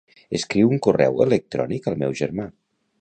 Escriu un correu electrònic al meu germà.